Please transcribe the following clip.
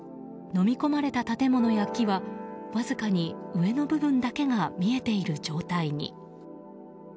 のみ込まれた建物や木はわずかに上の部分だけが見えている状態に。